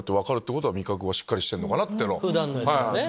普段のやつがね。